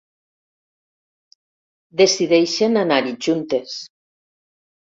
Decideixen anar-hi juntes.